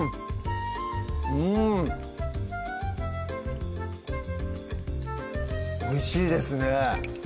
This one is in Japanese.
うんおいしいですね